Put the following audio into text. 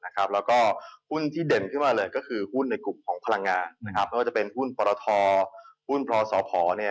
แล้วก็หุ้นที่เด่นขึ้นมาเลยก็คือหุ้นในกลุ่มพลังงาน